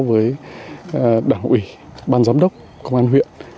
với đảng ủy ban giám đốc công an huyện